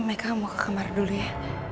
mereka mau ke kamar dulu ya